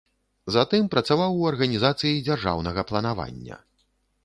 Затым працаваў у арганізацыі дзяржаўнага планавання.